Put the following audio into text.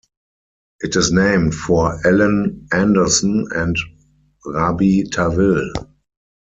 It is named for Ellen Andersen and Rabi Tawil.